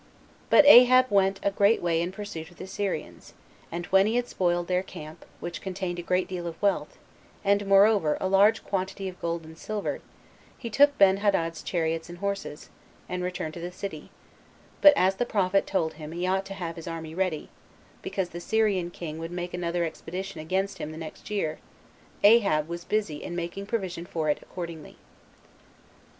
But Ahab went a great way in pursuit of the Syrians; and when he had spoiled their camp, which contained a great deal of wealth, and moreover a large quantity of gold and silver, he took Benhadad's chariots and horses, and returned to the city; but as the prophet told him he ought to have his army ready, because the Syrian king would make another expedition against him the next year, Ahab was busy in making provision for it accordingly.